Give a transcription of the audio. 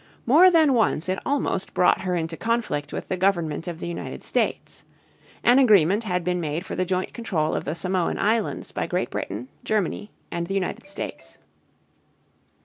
More than once it almost brought her into conflict with the government of the United States. An agreement had been made for the joint control of the Samoan Islands by Great Britain, Germany, and the United States.